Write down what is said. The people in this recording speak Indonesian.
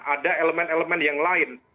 ada elemen elemen yang lain